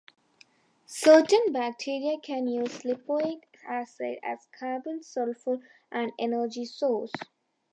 Certain bacteria can use lipoic acid as a carbon, sulfur, and energy source.